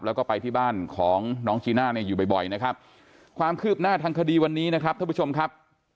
แล้วก็ไปที่บ้านของน้องจีน่าเนี่ยอยู่บ่อยนะครับความคืบหน้าทางคดีวันนี้นะครับท่านผู้ชมครับ